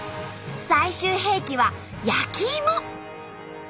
最終兵器は焼きイモ！